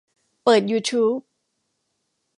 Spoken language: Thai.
เปิดยูทูบ